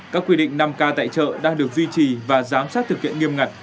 các quy định năm k tại chợ đang được duy trì và giám sát thực hiện nghiêm ngặt